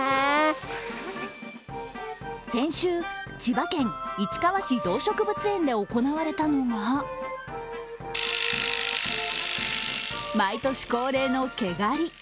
先週、千葉県市川市動植物園で行われたのが毎年恒例の毛刈り。